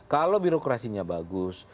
kalau birokrasinya bagus